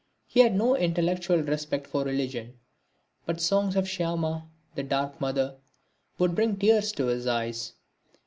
He had no intellectual respect for religion, but songs of Shy[=a]m[=a], the dark Mother, would bring tears to his eyes.